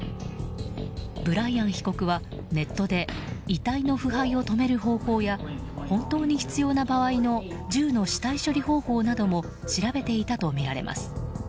ブライアン被告はネットで遺体の腐敗を止める方法や本当に必要な場合の１０の死体処理方法なども調べていたとみられます。